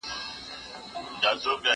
زه به سبزیجات پاخلي وي!.